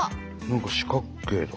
何か四角形だ。